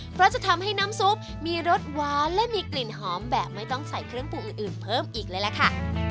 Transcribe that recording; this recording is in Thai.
เพราะจะทำให้น้ำซุปมีรสหวานและมีกลิ่นหอมแบบไม่ต้องใส่เครื่องปรุงอื่นเพิ่มอีกเลยล่ะค่ะ